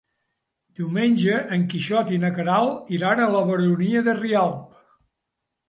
Diumenge en Quixot i na Queralt iran a la Baronia de Rialb.